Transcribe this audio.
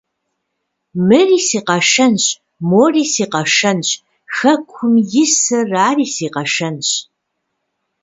Мыри си къэшэнщ! Мори си къэшэнщ! Хэкум исыр ари си къэшэнщ!